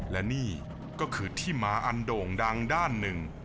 และนี่ก็คือที่หมาอันโด่งดังด้านหนึ่ง